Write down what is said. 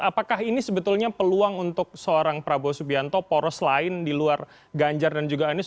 apakah ini sebetulnya peluang untuk seorang prabowo subianto poros lain di luar ganjar dan juga anies